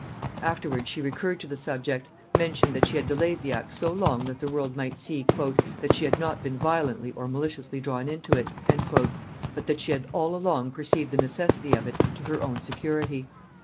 Afterwards she recurred to the subject; mentioned that she had delayed the act so long that the world might see "that she had not been violently or maliciously drawn unto it;" but that she had all along perceived the necessity of it to her own security.